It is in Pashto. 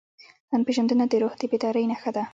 ځان پېژندنه د روح د بیدارۍ نښه ده.